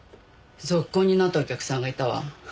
ぞっこんになったお客さんがいたわ。